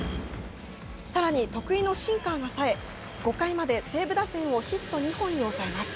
さらに得意のシンカーがさえ、５回まで西武打線をヒット２本に抑えます。